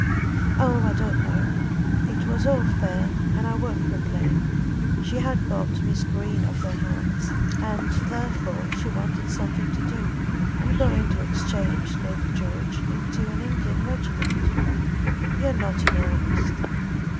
"Oh, I don't know. It was all fair, and I won't complain. She had got Miss Green off her hands, and therefore she wanted something to do. I'm going to exchange, Lady George, into an Indian regiment." "You're not in earnest."